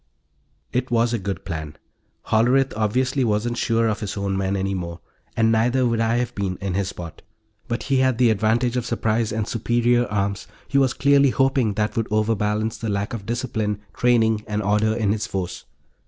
It was a good plan. Hollerith obviously wasn't sure of his own men any more and neither would I have been, in his spot. But he had the advantage of surprise and superior arms; he was clearly hoping that would overbalance the lack of discipline, training and order in his force.